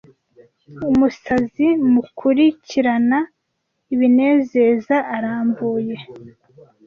Umusazi mukurikirana ibinezeza, arambuye,